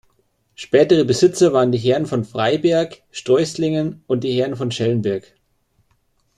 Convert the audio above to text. Spätere Besitzer waren die Herren von Freyberg-Steußlingen und die Herren von Schellenberg.